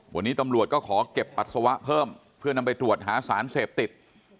วันนี้ตำรวจก็ขอเก็บปัสสาวะเพิ่มเพื่อนำไปตรวจหาสารเสพติด